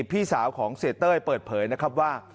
พี่สาวของเสียเต้ยเปิดเผยนะครับว่า